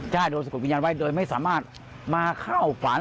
ได้โดนสะกดวิญญาณไว้โดยไม่สามารถมาเข้าฝัน